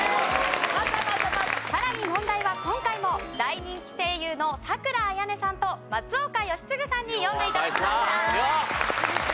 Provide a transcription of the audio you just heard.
さらに問題は今回も大人気声優の佐倉綾音さんと松岡禎丞さんに読んで頂きました。